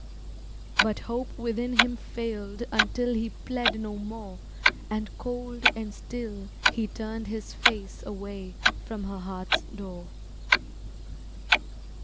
But hope within him failed Until he pled no more And cold and still he turned his face Away from her heart's door.